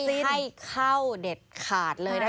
ไม่ให้เข้าเด็ดขาดเลยนะ